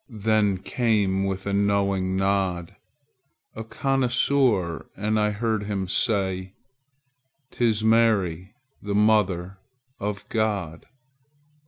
Then came, with a knowing nod, A connoisseur, and I heard him say; "'Tis Mary, the Mother of God."